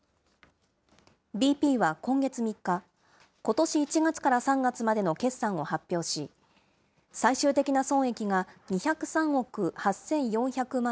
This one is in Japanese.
ＢＰは今月３日、ことし１月から３月までの決算を発表し、最終的な損益が２０３億８４００万